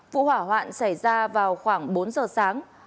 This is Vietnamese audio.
vụ hỏa hoạn xảy ra vào khoảng bốn giờ sáng